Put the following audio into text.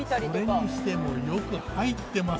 それにしてもよく入ってますね。